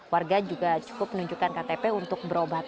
warga juga cukup menunjukkan ktp untuk berobat